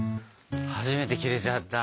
初めて切れちゃった。